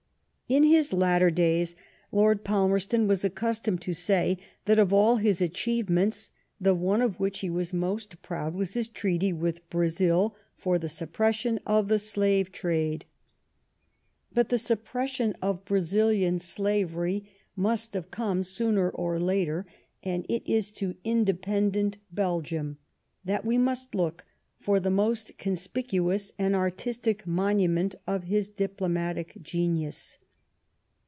In his latter days Lord Palmerston was accustomed to say that of all his achievements, the one of which he was most proud, was his treaty with Brazil for the sup pression of the slave trade. But the suppression of Brazilian slavery must have come sooner or later, and it \ is to independent Belgium that we must look for the >' most conspicuous and artistic monument of his diplo ' matic genius.